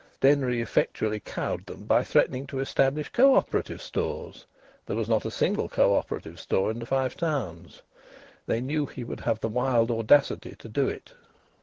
Denry effectually cowed them by threatening to establish co operative stores there was not a single co operative store in the Five Towns. They knew he would have the wild audacity to do it.